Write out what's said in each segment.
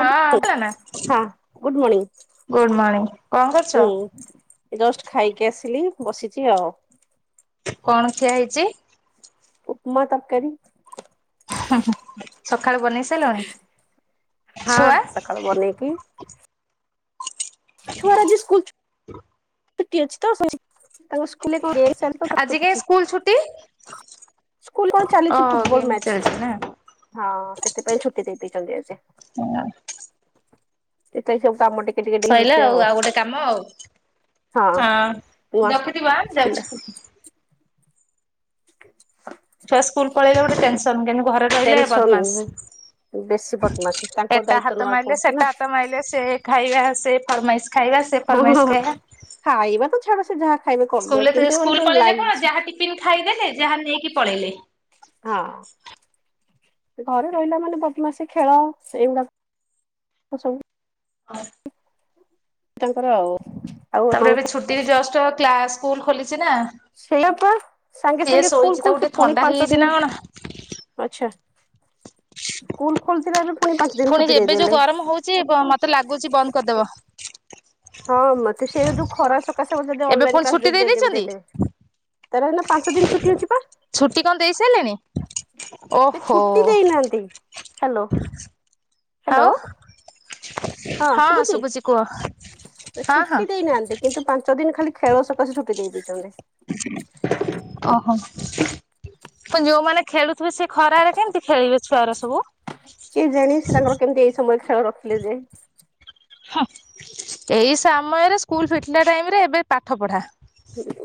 ଗୁଡ଼ ହଁ ମର୍ନିଂ ଭଲ ନା ହଁ ଗୁଡ଼୍ ମର୍ନିଂ। ଗୁଡ ମର୍ଣ୍ଣିଂ କଣ କରୁଛ ହୁଁ ଜଷ୍ଟ ଖାଇକି ଆସିଲି ବସିଛି ଆଉ। କଣ ଖିଆ ହେଇଛି? ଉପମା ତରକାରୀ। ହଁ ହଁ ସ ସଖାଳୁ ବନେଇ ସାରିଲୁଣି ହଁ ସକାଳୁ ବନେଇକି ଛୁଆ? ଛୁଆ ର ଆଜି ସ୍କୁଲ ଛୁଟି ଅଛି ତ ତାଙ୍କ ସ୍କୁ କେ ଗ ତ ଆଜି କାଇଁ ଛୁଟି ସ୍କୁଲ ଛୁଟି? [unintelligible] ସ୍କୁଲ କ ଓ ଚାଲିଛି ଫୁଟବଲ ଗେମ୍ ମ୍ୟାଚ। ଚାଲିଛି ନା ହଁ ସେଥିପାଇଁ ଛୁଟି ଦେଇ ଦେଇଛନ୍ତି ଆଜି। ହଁ ସେ ତାଇ ସବୁ କାମ ଟିକେ ଟିକେ ଡେ ସଇଲା ହଉଛ ଆଉ। ଗୋଟେ କାମ ଆଉ ହଁ ରଖିଥିବ ଆଁ ଯାଉଛି। ପିଲା [inaudible] ଛୁଆ ସ୍କୁଲ ପଳେଇଲେ ଗୋଟେ ଟେନ୍ସନ୍ କିନ୍ତୁ ଘରେ ରହିଲେ ଟେନସନ ବେଶୀ ବଦମାସ। ବଦମାସି ତାଙ୍କ ଏଟା ଦାୟିତ୍ଵ ହାତ ନବାକୁ ମାରିଲେ ପଡୁଛି ନା ସେଟା ହାତ ମାରିଲେ ସେ ଖାଇବା ସେ ଫରମାଇଶ୍ ଖାଇବା ସେ ହଁ ହଁ ଫରମାଇଶ୍ ହଁ। ଖାଇବା। ଖାଇବା ତ ଛାଡ ସେ ଯାହା ଖାଇବେ କରିବ ସ୍କୁଲରେ ଫେରେ କିନ୍ତୁ ମାନେ ସ୍କୁଲ ଯୋଉ ପଳେଇଲେ କଣ ଲାଗ ଯାହା ଟିଫନ୍ ଖାଇଦେଲେ ଯାହା ନେଇକି ପଳେଇଲେ। ହଁ। ଘରେ ରହିଲା ମାନେ ବଦମାସୀ ଖେଳ ସେଇଗୁଡା କ ସବୁ। ହଁ। ତାଙ୍କର ଆଉ। ଆଉ ତାପରେ ଆପଣଙ୍କ ଏବେ ଛୁଟିରେ ଜଷ୍ଟ କ୍ଲାସ ସ୍କୁଲ ଖୋଲି ସେଇଆପା ସାଙ୍ଗେ ସିଏ ସାଙ୍ଗେ ସ୍କୁଲ ଶୋଇଛି ତାକୁ ଖୋଲୁଚି ଟିକେ ପୁଣି ଥଣ୍ଡା ପାଞ୍ଚ ହେଇଯାଇଛି ନା ଦିନ୍ କଣ ଆଚ୍ଛା। ସ୍କୁଲ ଖୋଲିଥିଲା ଏବେ ପାଞ୍ଚ ଦିନ ପୁଣି ଛୁଟି ଏବେ ଯୋଉ ଦେଇଦେଲେ ଗରମ ହଉଛି ବ ମତେ ଲାଗୁଚି ବନ୍ଦ କରିଦବ। ହଁ ମତେ ସେ ଯୋଉ ଖରା ସକାଶ ଯଦି ଏବେ ଅନଲାଇ ପୁଣି ଛୁଟି କ୍ଲାସ ଦେଇ ଦେଇଦେବେ ଦେଇେଇଛନ୍ତି ଦେଇଦେବେ। ତାର ଏଇନା ପାଞ୍ଚ ଦିନ ଛୁଟି ଅଛି ପା। ଛୁଟି କଣ ଦେଇ ସାରିଲେଣି ସେ ଓହୋ ଛୁଟି ଦେଇନାହାନ୍ତି ହାଲୋ। ଆଉ। ହଁ ଶୁଭୁଛି ହଁ ହଁ ଛୁଟି ଦେଇନାହାନ୍ତି କିନ୍ତୁ ପାଞ୍ଚ ଦିନ ଖାଲି ଖେଳ ସକାଶେ ଛୁଟି ଦେଇଦେଇଚନ୍ତି। ଅହୋ। କଣ ଯୋଉମାନେ ଖେଳୁଥିବେ ସେ ଖରାରେ କେମିତି ଖେଳିବେ ଛୁଆଉରା ସବୁ। କେଜାଣି ସେ ତାଙ୍କର କେମିତି ଏଇ ସମୟରେ ଖେଳ ରଖିଲେ ଯେ। ହୁଁ ଏଇ ସମୟରେ ସ୍କୁଲ ଫିଟିଲା ଟାଇମ୍ ରେ ଏବେ ପାଠ ପଢା।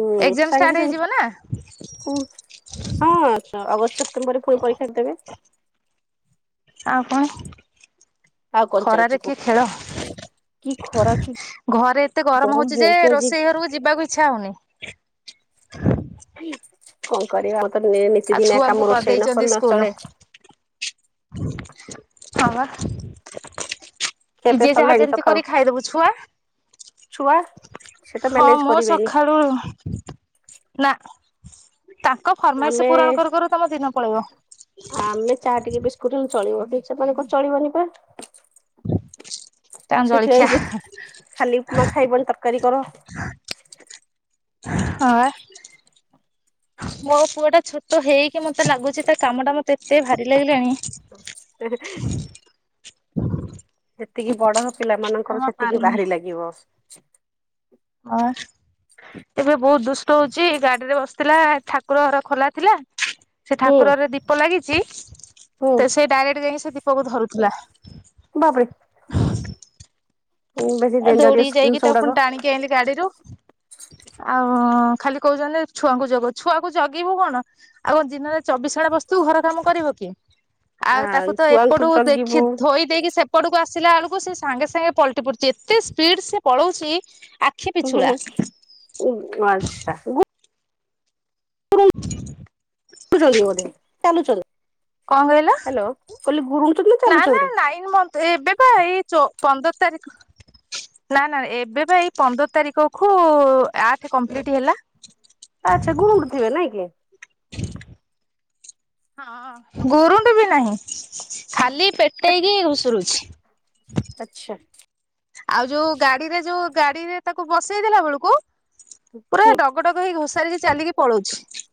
ଉଁ ଏକ୍ଜାମ ଷ୍ଟାର୍ଟ ସାଙ୍ଗେ ହେଇଯିବ ନା ସାଙ୍ଗଉଁ ହଁ ଅଗଷ୍ଟ ଟ ପରେ ପୁଣି ପରୀକ୍ଷା ଦେବେ। ଆଉ କଣ ଆଉ କଣ ଖରାରେ ଚାଲଚି କିଏ କୁଅ। ଖେଳ ଘରେ ଏତେ ଗରମ ହଉଚି ଯେ ହଉଛି ଆଜି। ରୋଷେଇ ଘରକୁ ଯିବାକୁ ଇ ଛା ହଉନି। ହୁଁ କଣ କରିବା ଆଉ। ତ ନେ ଆଉ ନିତିଦିନିଆ ଛୁଆଙ୍କୁ କାମ ରୋଷେଇ ନ କରିଦେଇଛନ୍ତି କଲେ ନ ଚଳେ। ହଁପା। ଖିଆ ପିଆ ଜିଏ ଯାହା ସରିଲାଣି ଯେମିତି ସକାଳୁ। କରିିକି ଖାଇଦବୁ ଛୁଆ ଛୁଆ ସେ ତ ହଁ ମ୍ୟାନେଜ ମୁଁ କରିବେନି ସକାଳୁ ନା। ତାଙ୍କ ଫରମାଇସ ଆମେ ପୂରଣ କରୁ କରୁ ତମ ଦିନ ପଳେଇବ। ଆମେ ଚା ଟିକେ ବିସ୍କୁଟୁ ଚଳିବ [unintelligible] ଚଳିବନି ପା। ତାଙ୍କ ଜଳଖିଆ ସେଥିପାଇଁ ସେ ଖାଲି ଉପ୍ମା ଖାଇବନି ତରକାରୀ କର। ହଁପା ମୋ ପୁଅ ଟା ଛୋ ଟ ହେଇକି ମତେ ଲାଗୁଛି ତା କାମ ଟା ମତେ ଏତେ ଭାରି ଲାଗିଲାଣି। [inaudible] ଯେତିକି ବଡ ପିଲା ଆଉ ମାନଙ୍କର ମୁଁ ଆଉ ସେତିକି ପାରୁନି। ବାହାରି ଲାଗିବ। ହଁ ଏବେ ବହୁତ ଦୁଷ୍ଟ ହଉଚି ।ଗାଡିରେ ବସିଥିଲା ଠାକୁର ଘର ଖୋଲା ଥିଲା ସେ ହୁଁ ଠାକୁରଘରେ ଦୀପ ଲାଗିଚି ହୁଁ ତ ସେ ଡାଇରେକ୍ଟ ଯାଇକି ସେ ଦୀପକୁ ଧରୁଥିଲା। ବାପ୍ ରେ। ଆଉ ଦୌଡିିକି ଯାଇକି ତାକୁ ପୁଣି ଟାଣିକି ଆଇଲି ଗାଡିରୁ ଆଉ ଖାଲି କହୁଛନ୍ତି ଛୁଆଙ୍କୁ ଜଗ ଛୁଆକୁ ଜଗିବୁ କଣ ଆଉ କଣ ଦିନରାତି ର ଚବିସି ଘଣ୍ଟା ବସ୍ତିବୁ ଘର କାମ କରିବ କିଏ। ଆ ଆଉ ତାକୁ ତ ଛୁଆଙ୍କୁ ଏପଟକୁ ଦେଖି ଜଗିବୁ ଥୋଇ ଦେଇକି ସେପଟକୁ ଆସିଲା ବେଳକୁ ସେ ସାଙ୍ଗେ ସାଙ୍ଗେ ପଲଟି ପ ଯେତେ ସ୍ପିଡ ସେ ପଳଉଚି। ହୁଁ ଉଁ ଆଚ୍ଛା ଗୋ [inaudible] ଗୁରୁଛନ୍ତି ବୋଧେ ଚାଲୁଛନ୍ତି କଣ କହିଲ ହ୍ୟାଲୋ କହିଲି ଗୁରୁଛନ୍ତି ନା ନା ଚାଲୁଛନ୍ତି ନାଇ ମ ଏବେ ବା ଏଇ ଚ ପନ୍ଦର ତାରିଖ ନା ନା ଏବେ ପା ଏଇ ପନ୍ଦର ତାରିଖ। ଖୁ ଆଠେ କମ୍ପ୍ଲିଟ ହେଲା। ଆଚ୍ଛା ଘୁମଡୁଥିବେ ନାଇଁ କି? ହଁ ଗୁରୁଣ୍ଡୁ ବି ନାହିଁ ଖାଲି ପେଟେଇକି ଘୁଷୁରୁଛି। ଆଚ୍ଛା। ଆଉ ଯୋଉ ଗାଡିରେ ଯୋଉ ଗାଡିରେ ତାକୁ ବସେଇ ଦେଲା ବେଳକୁ ପୁରା ହୁଁ ଡଗ ଡଗ ହେଇ ଘୋଷାରିକି ଚାଲିକି ପଳଉଛି।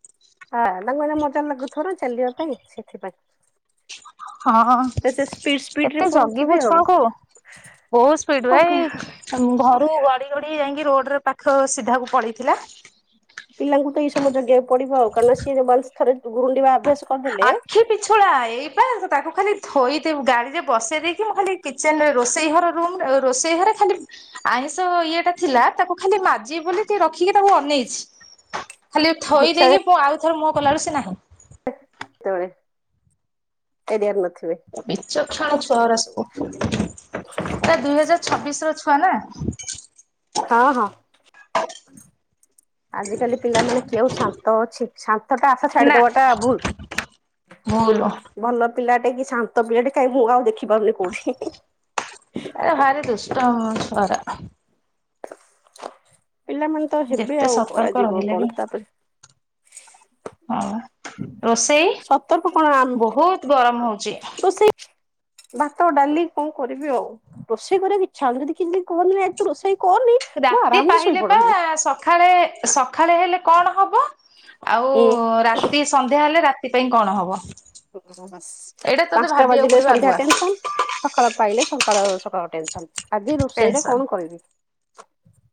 ତାଙ୍କୁ ଏଇନା ମଜା ଲାଗୁଥିବ ନା ଚାଲିବା ପାଇଁ ସେଥିପାଇଁ। ହଁ ତ ସେ ସ୍ପିଡ ସ୍ପିଡ ରେ କେତେ ପଳଉଥିବେ ଜଗିବୁ ଆଉ ଛୁଆଙ୍କୁ। ବହୁତ ସ୍ପିଡ ଓକେ ଭାଈ ଘ ରୁ ଗଡି ଗଡି ଯାଇଁକି ରୋଡରେ ପାଖ ସିଧାକୁ ପଳେଇଥିଲା। ପିଲାଙ୍କୁ ତ ଏଇ ସମୟ ଜଗିବାକୁ ପଡିବ ଆଉ କାରଣ ସିଏ ଯଉ ଭଲ ସେ ଥରେ ଗୁରୁଣ୍ଡିିବା ଅଭ୍ୟାସ। କରିଦେଲେ ଆଖି ପିଛୁଳା ଏଇପା ତାକୁ ଖାଲି ଥୋଇଦବୁ ଗାଡିରେ ବସେଇ ଦେଇକି ମୁଁ ଖାଲି କିଚେନରେ ରୋଷେଇ ଘର ରୁମ ରୋଗ ରୋଷେଇ ଘରେ ଖାଲି ଆଇଁଷ ଇଏଟା ଥିଲା ତାକୁ ଖାଲି ମାଜିବି ବୋଲି ରଖିକି ତାକୁ ଅନେଇଛି। ଖାଲି ଥୋଇ ସେ ଦେଇକି ମୁଁ ଆଉଥର ମୁହ କଲାରୁ ସେ ନାହିଁ। ତଳେ ଏରିଆ ରେ ନଥି। ବିଚକ୍ଷଣ ଛୁଆଗୁରା ସବୁ ତା ଦୁଇ ହଜାର ଛବିଶ ର ଛୁ ଛୁଆ ନା? ହଁ ହଁ ଆଜିକାଲି ପିଲାମାନେ କେଉ ଶାନ୍ତ ଅଛି। ଶାନ୍ତ ଟା ଆଶା ନା ଛାଡିଦବାଟା ଭୁଲ ଭୁଲ। ଭଲ ପିଲାଟେ କି ଶାନ୍ତ ପିଲା ଟେ କାଇଁ ମୁଁ ଆଉ ଦେଖି ଆରେ ଭାରି ଦୁଷ୍ଟ ଛୁଆ ଗୁରା। ପିଲାମାନେ ତ ହେବେ ଯେତେ ଆଉ ସତର୍କ କରାଯିବ ରହିଲେ ବି କଣ ତାପରେ ହଁ। ରୋଷେଇ ସତର୍କ କଣ ଆମ। ବହୁତ ଗରମ ହଉଛି ରୋଷେଇ ଭାତ ଡାଲି କଣ କରିବି ଆଉ। ରୋଷେଇ କରିବାକୁ ଇଚ୍ଛା ହଉନି ଯଦି କିଛି ବି କୁହନ୍ତି ଏତୁ ରୋଷେଇ। କରନି ମୁଁ ରାତି ଆରାମସେ ପାହିଲେ ପା ଶୋଇପଡନ୍ତି ସଖାଳେ ସଖାଳେ ହେଲେ କଣ ହବ ଆଉ ଏ ରାତି ସନ୍ଧ୍ୟା ହେଲେ ରାତି ପାଇଁ କଣ ହବ। ବାସ ଏଇଟା ତୋତେ ପାଞ୍ଚଟା ଭାବିବାକୁ ବାଜିଲେ ପଡିବ ସନ୍ଧ୍ୟା ଆଗୁଆ ଟେନସନ ସକାଳ ପାଇଲେ ସକାଳ ସ କାଳ ଟେନସନ୍। ଆଜି ରୋଷେଇ ଟା ଟେନସନ କଣ କରିବି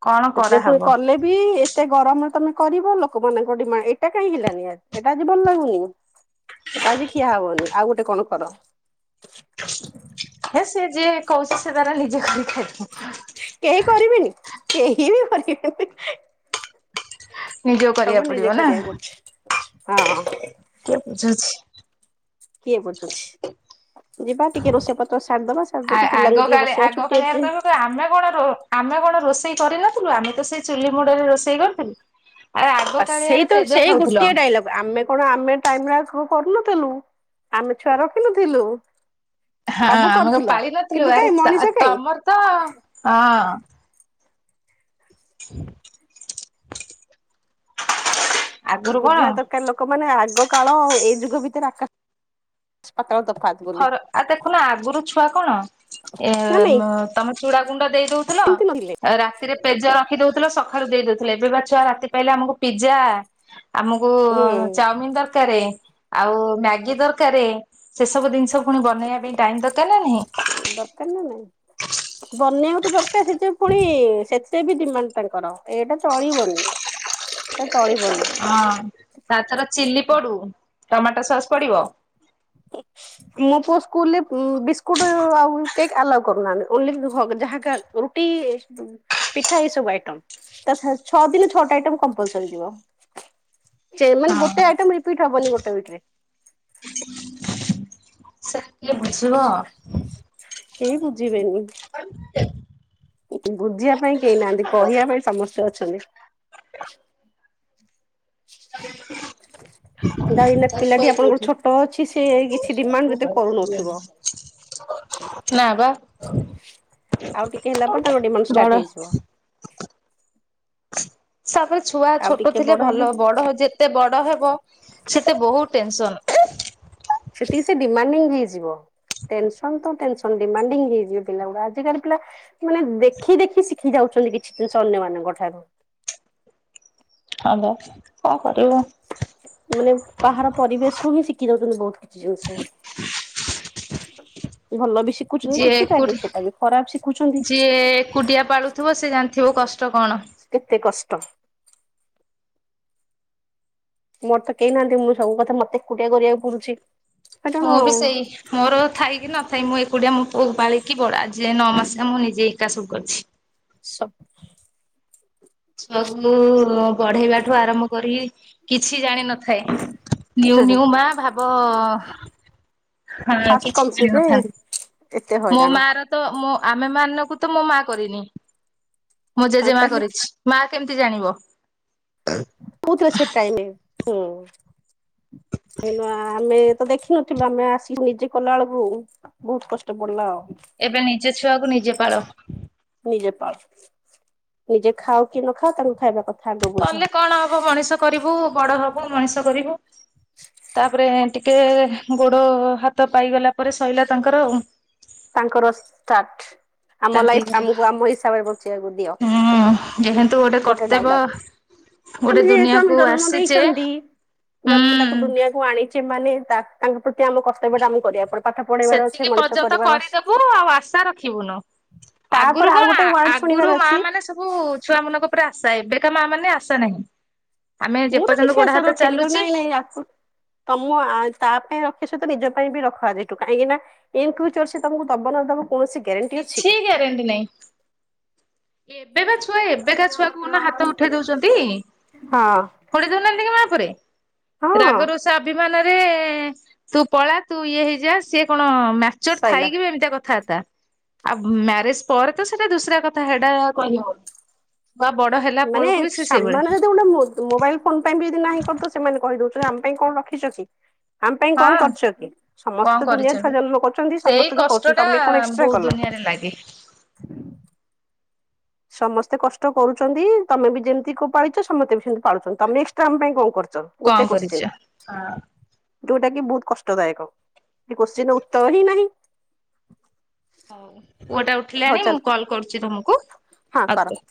କଣ ସେଥିରେ ପୁଣି କରାହବ କଲେ ବି ଏତେ। ଗରମରେ ତମେ କରିବ ଲୋକମାନଙ୍କ ଡିମାଣ୍ଡ ଏଇଟା କାଇଁ ହେଲାନି ଏଟା ଆଜି ଭଲ ଲାଗୁନି। ଏଇଟା ଆଜି ଖିଆ ହବନି ଆଉ ଗୋଟେ କଣ କର। ହେ ସେ ଯିଏ କହୁଛି ସେ ତାରା ନିଜେ କରିକି ଖାଇଦ କେହି କରିବିନି କେହି ବି କରିବେନି। ନିଜକୁ ସବୁ କରିବାକୁ ନିଜେ ପଡିବ ନା କରିବାକୁ ପଡୁଛି ହଁ। କିଏ ବୁଝୁଛି କିଏ ବୁଝୁଛି ଯିବା ଟିକେ ରୋଷେଇ ପତ୍ର ସାରିଦବା। ସାରି ଦେଇକି ଆ-ଆଗ ପିଲାଙ୍କୁ ଟିକେ କାଳିଆ ବସେଇବା ଛୁଟି ଆଗକାଳିଆ ଅଛି। ତ କହ ଆମେ କଣ ରୁ ଆମେ କଣ ରୋଷେଇ କରିନଥିଲୁ ଆମେ ତ ସେଇ ଚୁଲି ମୁଡରେ ରୋଷେଇ କରିଥିଲୁ। ବାସ ସେଇ ତ ସେଇ ଗୋଟିଏ ଡାଇଲଗ ଆମେ କଣ ଆମେ ଟାଇମରେ ଆଉ କ କରୁନଥିଲୁ ଆମେ ଛୁଆ ରଖିନଥିଲୁ। ହଁ ସବୁ ଆମେ କଣ କରିଥିଲ ପାଳି ନଥିଲୁ କିନ୍ତୁ ଆରେ କାଇଁ ମଣିଷ କାଇଁ। ତମର ତ ହଁ [inaudible] କଣ ବୁଝିବା ଦରକାର ଲୋକମାନେ ଆଗ କାଳ ଏଇ ଯୁଗ ଭିତରେ ଆକାଶ ପାତ୍ ଫରକ୍ ଆ ଦେଖୁନ ଆଗରୁ ଛୁଆ କଣ ଏ ନା ନାଇଁ ମ ତମେ ଚୂଡା ଗୁଣ୍ଡ ଦେଇ ଦଉଥିଲ ସେମିତି ନଥିଲେ ରାତିରେ ପେଜ ରଖି ଦଉଥିଲ ସକ ପାଖରୁ ଦେଇଦଉଥିଲେ ଏବେ ବା ଛୁଆ ରାତି ପାଇଲେ ଆମକୁ ପିଜ୍ଜା ଆମକୁ ହୁଁ ଚାଉମିିନ ଦରକାର ଆଉ ମ୍ୟାଗି ଦରକାର ସେ ସବୁ ଜିନିଷ ପୁଣି ବନେଇବା ପାଇଁ ଟାଇମ ଦରକାର ନା ନାହିଁ। ବନେଇକୁ ତ ଦରକାର ସେ ଯେ ପୁଣି ସେତେ ବି ଡିମାଣ୍ଡ ତାଙ୍କର ଏଇଟା ଚଳିବନି ତା ହଁ ତାଥର ଚିଲ୍ଲି ପଡୁ ଟମାଟୋ ସସ୍ ପଡିବ ିକ୍ ମୋ ପୁଅ ସ୍କୁଲରେ ବିସ୍କୁଟ ଆଉ କେକ୍ ଆଲାଉ କରୁନାହାନ୍ତି ଓଲି ଯାହା ଟି ପିଠା ଏଇ ସବୁ ଆଇଟ ଛଅ ଦିନ ଛଅଟା ଆଇ କମ୍ପଲସରି ଯିବ। ସେ ମାନେ ହଁ ଗୋଟେ ଆଇଟମ ରିପିଟ ହବନି ଗୋଟେ ଉଇକ୍ ରେ। ସେ କିଏ ବୁଝିବ। କେହି ବୁଝିବେନି। [inaudible] ବୁଝିବା ପାଇଁ କେହି ନାହାନ୍ତି କହିବା ପାଇଁ ସମସ୍ତେ ଅଛନ୍ତି। [inaudible] ଯାନା ପିଲାଟି ଆପଣଙ୍କର ଛୋଟ ଅଛି ସେ କିଛି ଡିମାଣ୍ଡ କରୁନଥିବ। ନା ବା। ଆଉ ଟିକେ ହେଲା ପରେ ତାଙ୍କର ଡିମାଣ୍ଡ ଷ୍ଟାର୍ଟ ବଡ ହେଇଯିବ। ତାପରେ ଛୁଆ ଆଉ ଛୋଟ ଟିକେ ଥିଲେ ବଡ ହେଲେ ଭଲ ବଡ ଯେତେ ବଡ ହବ ସେତେ ବହୁତ ଟେନସନ୍। ସେତିକି ସେ ଡିମାଡିିଙ୍ଗ ହେଇଯିବ। ଟେନ୍ସନ୍ ତ ଟେନ୍ସନ୍ ଡିମାଣ୍ଡିଙ୍ଗ ହେଇଯିବ ପିଲା ଗୁଡା ଆଜିକାଲି ପିଲା ମାନେ ଦେଖି ଦେଖି ଶିଖି ଯାଉଛି। ଅଛନ୍ତି କିଛି ଜିନିଷ ଅନ୍ୟମାନଙ୍କ ଠାରୁ। ହଲ କଣ କରିବ। ମାନେ ବାହାର ପରିବେଶରୁୁ ହିଁ ଶିଖି ଯାଉଛନ୍ତି ବହୁତ କିଛି ଜିନିଷ। [inaudible] ଭଲ ବି ଶିଖୁଛନ୍ତି ଯିଏ କିଛିଟା ଏକୁଟି କିଛିଟା ବି ଖରାପ ଶିଖୁଛନ୍ତି। ଯିଏ ଏକୁଟିଆ ପାଳୁଥିବ ସେ ଜାଣିଥିବ କଷ୍ଟ କଣ। କେତେ କଷ୍ଟ। ମୋର ତ କେହି ନାହାନ୍ତି ମୁଁ ସବୁ କଥା ମତେ ଏକୁଟିଆ କରିବାକୁ ପଡୁଛି। ଆ ତେଣୁ ମୁଁ ବି ସେଇ ମୋର ଥାଇ କି ନଥାଇ ମୁଁ ଏକୁଟିଆ ମୁତି ହଉ ପାଳିକି ବଡା ଯେ ନଅ ମାସ ମୁଁ ନିଜେ ଏକା ସବୁ କରିଛି। ସବ ଛୁଆକୁ ବଢେଇବାଠୁ ଆରମ୍ଭ କରି କିଛି ଜାଣିନଥାଏ ନିୁ ନିୁ ମା ଭାବ ହଁ ଫାଷ୍ଟ କିଛି କନସିଭରେ ଜାଣିନଥାନ୍ତି ଏତେ ମୋ ହଇରାଣ। ମା ର ତ ମୋ ଆମେ ମାନଙ୍କୁ ତ ମୋ ମା କରିନି ମୁଁ ଆଉ ଜେଜେମା ତାହେଲେ କରିଛି। ମା କେମ୍୍ତି ଜାଣିବ। କତ୍ରଛ ଟାଇମେ ହୁଁ । ହେ ନୁ ଆମେ ତ ଦେଖିନଥିଲୁ ଆମେ ଆସିକି ନିଜେ କଲା ବେଳକୁ ବହୁତ କଷ୍ଟ ପଡିଲା ଆଉ। ଏବେ ନିଜ ଛୁଆକୁ ନିଜେ ପାଳ। ନିଜେ ପାଲ ନିଜେ ଖାାଉ କି ନ ଖାଉ ତାଙ୍କୁ ଖାଇବା କଥା ଆଗ ବୁଝ କଲେ କଣ ହବ ମଣିଷ କରିବୁ ବଡ ହବୁ ମଣିଷ କରିବୁ ତାପରେ ଟିକେ ଟିକେ ଗୋଡ ହାତ ପାଇଗଲା ପରେ ଶଇଲା ତାଙ୍କର। ତାଙ୍କର ସ୍ଟାର୍ଟ ଆମ ଲାଇଫ ହେଇଗଲା ଆମକୁ ଆମ ହିସାବରେ ବଞ୍ଚିବାକୁ ଦିଅ। ତୁ ଗୋଟେ କର୍ତ୍ତବ୍ୟ ଗୋଟେ ଆମେ ଯେହେତୁ ଆମେ ଦୁନିଆକୁ ଜନ୍ମ ଆସିଛେ ଦେଇଛନ୍ତି ହୁଁ ଜନ୍ମ ତାକୁ ଦୁନିଆକୁ ଆଣି ମାନେ ତା ତାଙ୍କ ପ୍ରତି ଆମ କର୍ତ୍ତବ୍ୟ ଟା ଆମ କୁ କରିବା ପଡ ସେତିକି ପର୍ଯ୍ୟନ୍ତ କରିଦେବୁ ଆଉ ଆଶା ରଖିବୁନୁ। ତାପରେ ଆଗରୁ ଆଉ କଣ ଗୋଟେ ୱାର୍ଡ ଶୁଣିବାର ଆଗରୁ ମା ଅଛି ମାନେ ସବୁ ଛୁଆ ମାନଙ୍କ ପୁରା ଆସା ଏବେକା ମା ମାନେ ଆସା ନାହିଁ। ଆମେ ଯେ ମୁଁ ତ ପର୍ଯ୍ୟନ୍ତ କିଛି ଗୋଡ ଆସା ହାତ ରଖେନି କହିଲ ଚାଲୁଛି ନାଇଁ ନାଇଁ ଆକୁ ତମ ଆ ତା ପାଇଁ ରଖିବା ସହିତ ନିଜ ବି ରଖ ଆଜିଠୁ କାଁଇକିନା ଇନ ଫ୍ୟୁଚର ସେ ତମକୁ ଦବ ନ ଦବ କୌଣସି ଗ୍ୟାରେଣ୍ଟି ଅଛି କିଛି କି? ଗ୍ୟାରଣ୍ଟି ନାହିଁ। ଏ ଏବେ ବା ଛୁଆ ଏବେକା ଛୁଆ କହୁନ ହାତ ଉଠେଇ ଦଉଛନ୍ତି। ହଁ ଫୋଇ ଦଉନାହାନ୍ତି କି ମା ଉପରେ ହଁ ରାଗରୁଷା ଅଭିମାନରେ ତୁ ପଳା ତୁ ଇଏ ହେଇଯା ସିଏ କଣ ଚ ମ୍ୟାଚର ସଇଲା। ଥାଇକି ବି ଏମିତିଆ କଥାବାର୍ତ୍ତା ଆଉ ମ୍ୟାରେଜ ପରେ ତ ସେଇଟା ଦୁସରା କଥା ତା ହେଡା ଆ କହିହବନି। ଛୁଆ ବଡ ହେଲା ମାନେ ବେଳକୁ ବି ସେ ସେଇଭଳିଆ ସାମାନ୍ୟ ଯଦି ଗୋଟେ ମୋ ମୋବାଇଲ ଫୋନ ପାଇଁ ବି ଯଦି ନାହିଁ କର ତ ସେମାନେ କହିଦଉଛନ୍ତି ତେ ଆମ ପାଇଁ କଣ ରଖିଛ କି? ଆମ ପାଇଁ କଣ ହଁ କରିଛ କି କଣ ସମସ୍ତେ ତ କରିଛ ଦୁନିଆ ଛୁଆ ଏବେ? ଜନ୍ମ କରୁଛନ୍ତି ସେଇ ସମସ୍ତେ ତ କଷ୍ଟ କରୁଛନ୍ତି ଟା ତମେ କଣ ଏକ୍ସଟ୍ରା ବୋହୂ କଲ? ଦୁନିଆରେ ଲାଗେ ହ [inaudible] ସମସ୍ତେ କଷ୍ଟ କରୁଛନ୍ତି ତମେ ବି ଯେମିତି କୋଉ ପାଳିଛ ସମସ୍ତେ ବି ସେମିତି ପାଳୁଛନ୍ତି ତମେ ଏକ୍ସଟ୍ରା ଆମ ପାଇଁ କଣ କର ଚ କଣ ଗୋଟେ କରିଛ? କୋଶ୍ଚିନ୍? ହଁ। ଯୋଉଟା କି ବହୁତ କଷ୍ଟଦାୟକ କୋଶ୍ଚିିନ ଉତ୍ତର ହିଁ ନାହିଁ। ହଉ ପୁଅଟା ହଉ ଉଠିଲାଣି ଚାଲ ମୁଁ କଲ କରୁଛି ହଁ ତମକୁ, ହଁ କର। ଆଉଥରେ